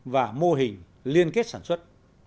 và mô hình liên kết sản xuất